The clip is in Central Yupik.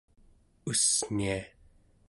ussnia